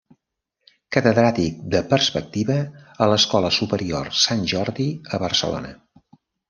Catedràtic de Perspectiva a l'Escola Superior Sant Jordi a Barcelona.